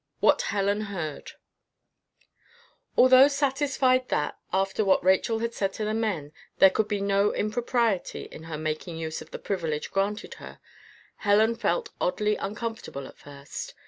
WHAT HELEN HEARD, Although satisfied that, after what Rachel had said to the men, there could be no impropriety in her making use of the privilege granted her, Helen felt oddly uncomfortable at first.